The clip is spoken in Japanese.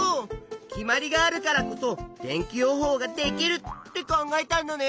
決まりがあるからこそ天気予報ができるって考えたんだね。